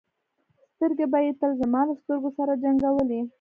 سترګې به یې تل زما له سترګو سره جنګولې.